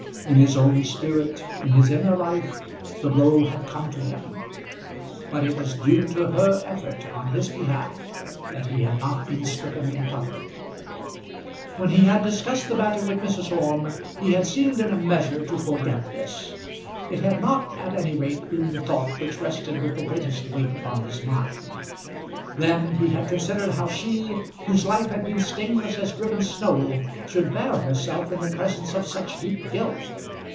In his own spirit, in his inner life, the blow had come to him; but it was due to her effort on his behalf that he had not been stricken in public. When he had discussed the matter with Mrs. Orme, he had seemed in a measure to forget this. It had not at any rate been the thought which rested with the greatest weight upon his mind. Then he had considered how she, whose life had been stainless as driven snow, should bear herself in the presence of such deep guilt.